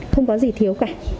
không có gì thiếu cả